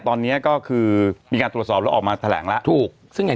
ตอนนี้ก็คือมีการตรวจสอบแล้วออกมาแถลงแล้วถูกซึ่งอย่าง